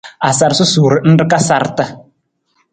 A sar susuur nra ka sarata.